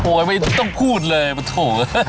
โอ๊ยไม่ต้องพูดเลยโถ่